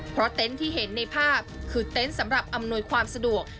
เพราะเต็นต์ที่เห็นในภาพคือเต็นต์สำหรับอำนวยความสะดวก